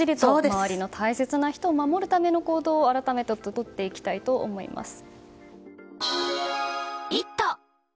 周りの大切な人を守る行動を改めてとっていきたいと思います。